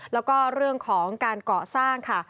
แล้วก็เรื่องของการเกาะสร้างค่ะ